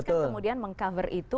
kemudian meng cover itu